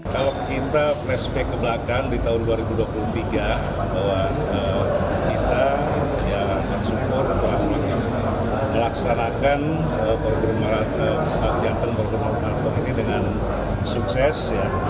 kalau kita perspek ke belakang di tahun dua ribu dua puluh tiga kita support melaksanakan borobudur marathon ini dengan sukses